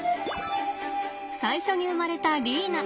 最初に生まれたリーナ。